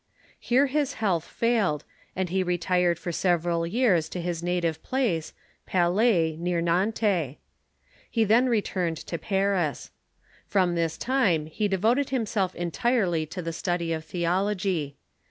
Here his health failed, and he retired for several years to his native place, Pal ais, near Nantes. He then returned to Paris. From this time he devoted himself entirely to the study of theology.